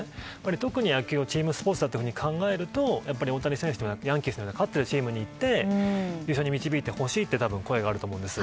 特に野球をチームスポーツだと考えると大谷選手はヤンキースとか勝っているチームに行って一緒に導いてほしいという声があると思うんです。